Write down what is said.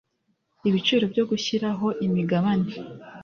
ibiciro byo gushyiraho imigabane